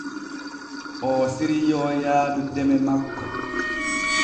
Oo siriyoo yaadu deme makko.